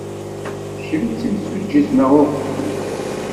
Kemm d timsujjit neɣ uhu?